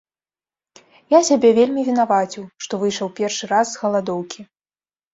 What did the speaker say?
Я сябе вельмі вінаваціў, што выйшаў першы раз з галадоўкі.